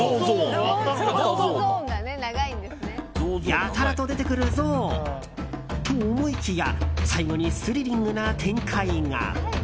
やたらと出てくるゾウ。と思いきや最後にスリリングな展開が。